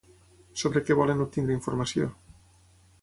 Sobre què volen obtenir informació?